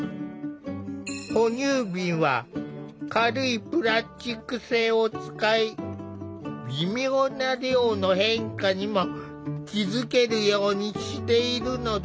哺乳瓶は軽いプラスチック製を使い微妙な量の変化にも気付けるようにしているのだ。